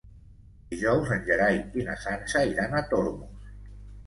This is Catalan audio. Dijous en Gerai i na Sança iran a Tormos.